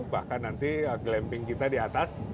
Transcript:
bahkan nanti glamping kita di atas